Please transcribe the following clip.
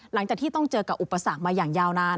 หลังจากที่ต้องเจอกับอุปสรรคมาอย่างยาวนาน